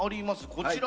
こちらは？